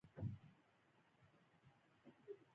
اوستا کتاب په دې خاوره کې ولیکل شو